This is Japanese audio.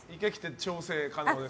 調整可能です。